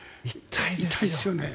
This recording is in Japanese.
痛いですよね。